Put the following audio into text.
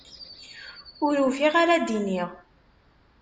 Ur ufiɣ ara d-iniɣ.